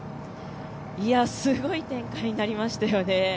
すごい展開になりましたよね、